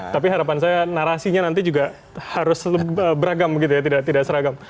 tapi harapan saya narasinya nanti juga harus beragam begitu ya tidak seragam